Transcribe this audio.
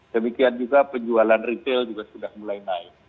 demikian juga penjualan retail juga sudah mulai naik